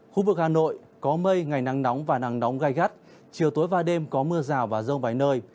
khu vực hà nội có mây ngày nắng nóng và nắng nóng gai gắt chiều tối và đêm có mưa rào và rông vài nơi